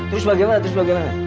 terus bagaimana terus bagaimana